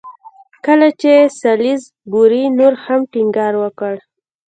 کله چې سالیزبوري نور هم ټینګار وکړ.